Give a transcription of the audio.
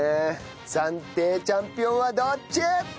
暫定チャンピオンはどっち！？